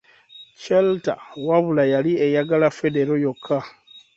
Chalter wabula yali eyagala Federo yokka.